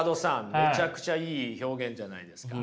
めちゃくちゃいい表現じゃないですか。